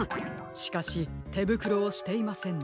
しかしてぶくろをしていませんね。